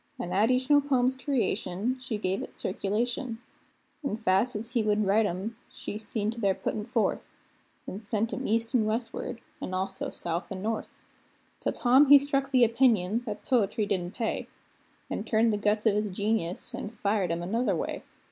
An' at each new poem's creation she gave it circulation; An' fast as he would write 'em, she seen to their puttin' forth, An' sent 'em east an westward, an' also south an' north. Till Tom he struck the opinion that poetry didn't pay, An' turned the guns of his genius, an' fired 'em another way.